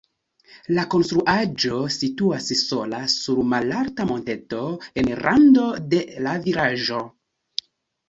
La konstruaĵo situas sola sur malalta monteto en rando de la vilaĝo.